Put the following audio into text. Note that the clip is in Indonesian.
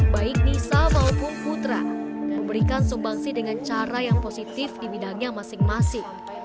baik nisa maupun putra dan memberikan sumbangsi dengan cara yang positif di bidangnya masing masing